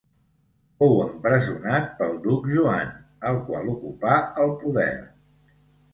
Fou empresonat pel Duc Joan, el qual ocupà el poder.